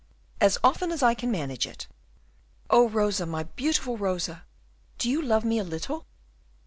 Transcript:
"As often as I can manage it." "Oh, Rosa, my beautiful Rosa, do you love me a little?"